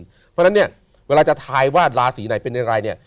เพราะฉะนั้นเนี่ยเวลาจะทายว่าราศีไหนเป็นอย่างไรเนี่ย